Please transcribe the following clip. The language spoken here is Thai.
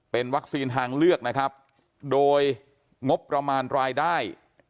เป็นวัคซีนทางเลือกนะครับโดยงบประมาณรายได้